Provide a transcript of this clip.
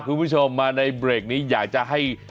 คุณผู้ชมมาในเบรกนี้อยากจะให้